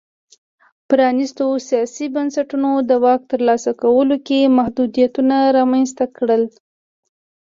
پرانیستو سیاسي بنسټونو د واک ترلاسه کولو کې محدودیتونه رامنځته کړل.